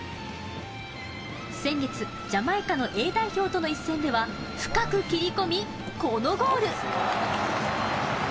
先月ジャマイカのＡ代表との一戦では深く切り込み、このゴール。